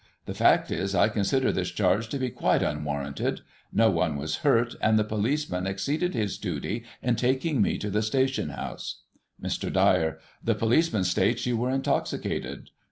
The fact is, I con sider this charge to be quite unwarranted. No one was hurt, and the policeman exceeded his duty in taking me to the station house. Mr. Dyer: The poHceman states you were intoxicated.